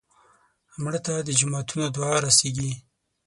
مړه ته د جوماتونو دعا رسېږي